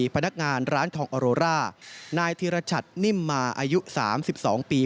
พนักงานร้านทองออโรร่านายธิรชัตนิ่มมาอายุ๓๒ปี